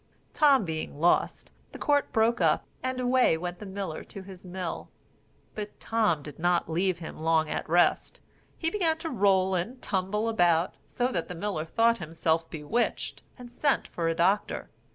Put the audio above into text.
Tom being lost, the court broke up, and away went the miller to his mill. But Tom did not leave him long at rest, he began to roll and tumble about, so that the miller thought himself bewitched, and sent for a doctor.